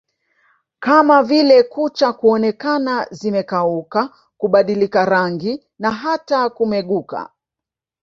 kama vile kucha kuonekana zimekauka kubadilika rangi na hata kumeguka